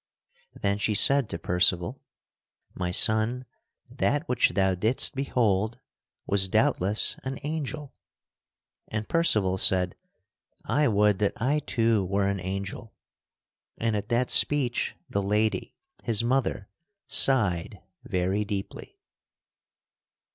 Then she said to Percival: "My son, that which thou didst behold was doubtless an angel." And Percival said, "I would that I too were an angel!" And at that speech the lady, his mother, sighed very deeply.